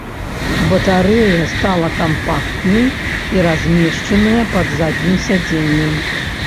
Батарэя стала кампактней і размешчаная пад заднім сядзеннем.